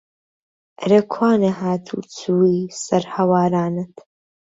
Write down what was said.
ئەرێ کوانێ هات و چووی سەر هەوارانت